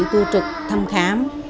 tu trực thăm khám